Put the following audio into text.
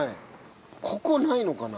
ここないのかな？